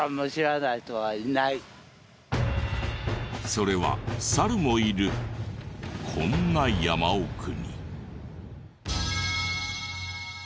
それはサルもいるこんな山奥に。